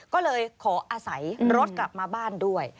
ก็เลยขออาศัยรถกลับมาบ้านด้วย